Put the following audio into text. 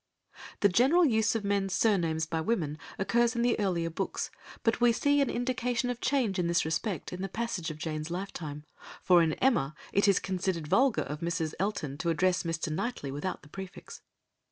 The general use of men's surnames by women occurs in the earlier books, but we see an indication of change in this respect in the passage of Jane's lifetime, for in Emma it is considered vulgar of Mrs. Elton to address Mr. Knightley without the prefix.